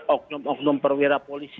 oknum oknum perwira polisi